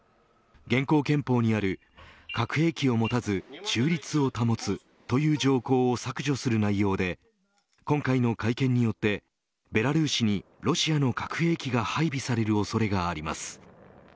現行憲法にある核兵器を持たず中立を保つ、という条項を削除する内容で今回の改憲によってベラルーシにロシアの核兵器が配備される恐れがあります。